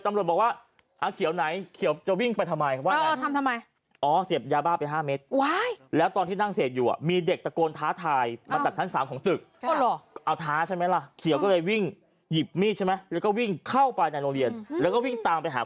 ตำรวจบอกว่าเขียวไหนเขียวจะวิ่งไปทำไมว่าไง